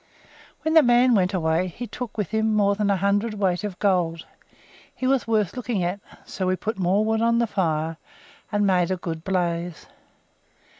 When the man went away he took with him more than a hundredweight of gold. He was worth looking at, so we put more wood on the fire, and made a good blaze.